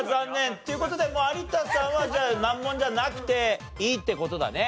っていう事で有田さんはじゃあ難問じゃなくていいって事だね。